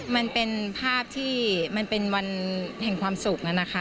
มันเป็นภาพที่มันเป็นวันแห่งความสุขนะคะ